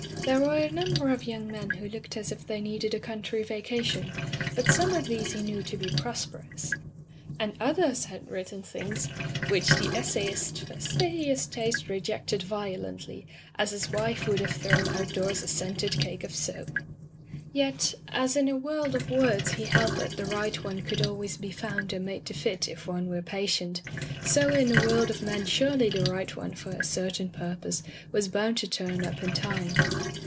There were a num ber of young men who looked as if they needed a country vacation, but some of these he knew to be prosperous, and others had [ 351 ] Digitized by LjOOQ IC Interventions written things which the essayist's fastidious taste rejected violendy as his wife would have thrown outdoors a scented cake of soap. Yet, as in a world of words he held that the right one could always be found and made to fit if one were patient, so in a world of men surely the right one for a certain pur pose was bound to turn up in time.